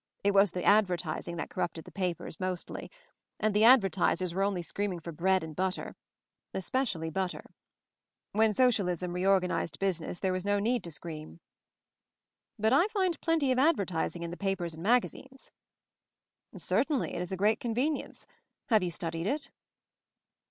It was the advertising that corrupted the papers — mostly; and the ad vertisers were only screaming for bread and butter — especially butter. When Socialism reorganized business there was no need to scream. "But I find plenty of advertising in the papers and magazines/' "Certainly — it is a great convenience. Have you studied it?"